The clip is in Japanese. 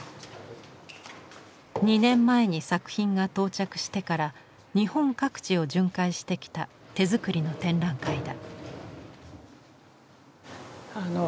２年前に作品が到着してから日本各地を巡回してきた手作りの展覧会だ。